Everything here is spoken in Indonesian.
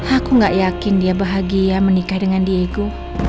aku gak yakin dia bahagia menikah dengan diego